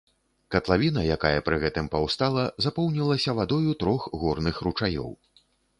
Катлавіна, якая пры гэтым паўстала, запоўнілася вадою трох горных ручаёў.